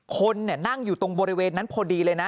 คนนั่งอยู่ตรงบริเวณนั้นพอดีเลยนะ